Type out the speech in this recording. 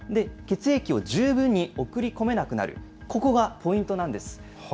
血液を十分に送り込めなくなる、ここがポイントなんです。